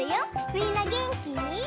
みんなげんき？